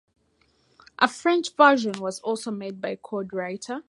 A French version was also made by Codewriter.